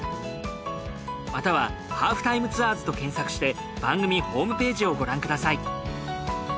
または『ハーフタイムツアーズ』と検索して番組ホームページをご覧ください。